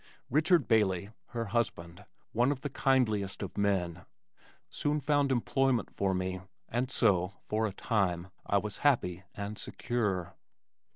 Richard Bailey, her husband, one of the kindliest of men, soon found employment for me, and so, for a time, I was happy and secure.